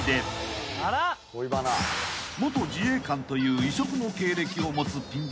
［元自衛官という異色の経歴を持つピン